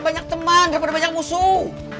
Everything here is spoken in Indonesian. banyak teman daripada banyak musuh